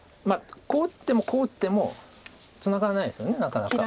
こう打ってもこう打ってもツナがらないですよねなかなか。